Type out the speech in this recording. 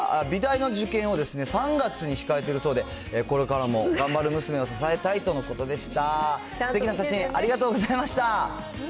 娘さんは美大の受験を３月に控えてるそうで、これからも頑張る娘を支えたいとのことでした。